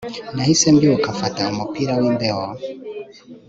nahise mbyuka mfata umupira wimbeho